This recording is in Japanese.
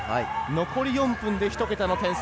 残り４分で１桁の点差。